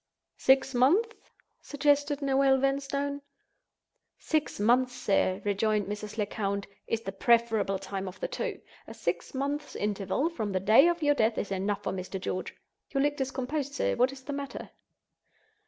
"Six months?" suggested Noel Vanstone. "Six months, sir," rejoined Mrs. Lecount, "is the preferable time of the two. A six months' interval from the day of your death is enough for Mr. George. You look discomposed, sir; what is the matter?"